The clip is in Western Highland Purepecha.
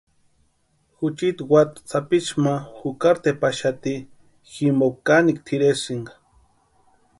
Juchiti watsï sapichu ma jukari tepaxati jimpo kanikwa tʼiresïnka.